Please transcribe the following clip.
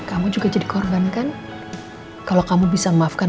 kamu juga jadi korban kan